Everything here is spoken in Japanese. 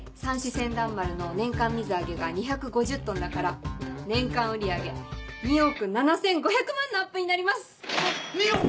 船団丸の年間水揚げが２５０ｔだから年間売り上げ２億７５００万のアップになります！